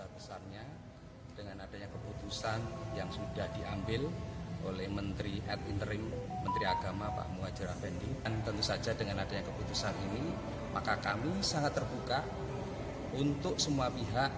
tentu saja dengan adanya keputusan ini maka kami sangat terbuka untuk semua pihak